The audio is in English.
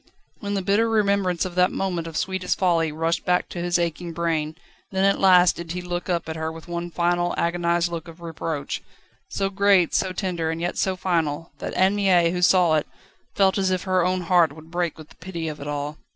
When the bitter remembrance of that moment of sweetest folly rushed back to his aching brain, then at last did he look up at her with one final, agonised look of reproach, so great, so tender, and yet so final, that Anne Mie, who saw it, felt as if her own heart would break with the pity of it all.